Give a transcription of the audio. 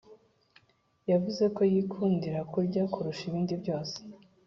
Yavuze ko yikundira kurya kurusha ibindi byose